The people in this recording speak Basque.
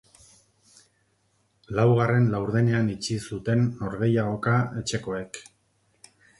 Laugarren laurdenean itxi zuten norgehiagoka etxekoek.